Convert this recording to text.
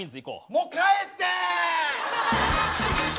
もう帰って！